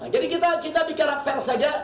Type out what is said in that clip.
jadi kita bikin rakfeng saja